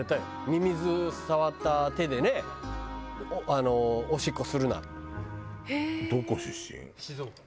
「ミミズ触った手でねおしっこするな」。